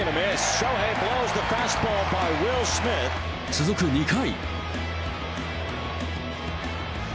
続く２回。